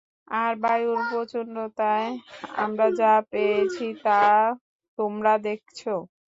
আর বায়ুর প্রচণ্ডতায় আমরা যা পেয়েছি তা তোমরা দেখছো।